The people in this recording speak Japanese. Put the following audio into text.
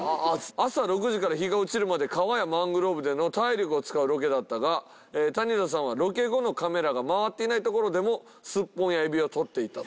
「朝６時から日が落ちるまで川やマングローブでの体力を使うロケだったが谷田さんはロケ後のカメラが回っていない所でもスッポンやエビを捕っていた」と。